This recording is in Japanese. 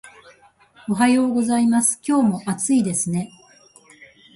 おはようございます。今日も暑いですね